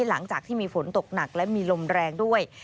หลังจากที่มีฝนตกหนักและมีลมแรงด้วย